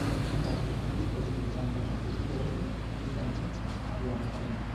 Fakte, ĉiu ekzistanta komputilo estas esence tia maŝino.